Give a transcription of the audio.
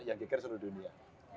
yang kikir seluruh dunia